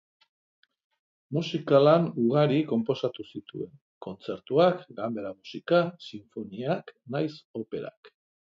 Musika-lan ugari konposatu zituen: kontzertuak, ganbera-musika, sinfoniak nahiz operak.